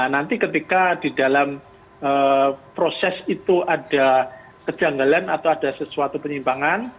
nanti ketika di dalam proses itu ada kejanggalan atau ada sesuatu penyimpangan